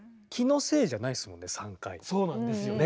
何かそうなんですよね。